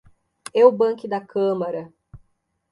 Ewbank da Câmara